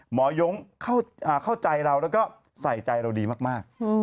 ยงเข้าใจเราแล้วก็ใส่ใจเราดีมาก